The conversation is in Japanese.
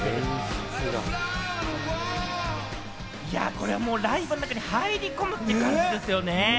これ、ライブの中に入り込むって感じですよね。